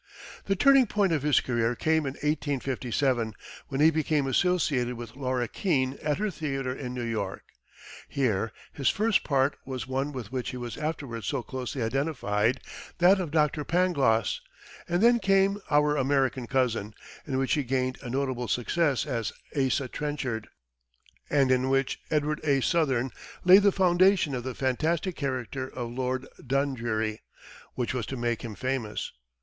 The turning point of his career came in 1857 when he became associated with Laura Keene at her theatre in New York. Here his first part was one with which he was afterwards so closely identified, that of Dr. Pangloss, and then came "Our American Cousin," in which he gained a notable success as Asa Trenchard, and in which Edward A. Sothern laid the foundation of the fantastic character of Lord Dundreary, which was to make him famous.